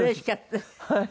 はい。